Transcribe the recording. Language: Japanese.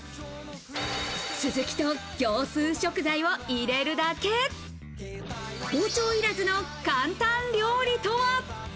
スズキと業スー食材を入れるだけ、包丁いらずの簡単料理とは？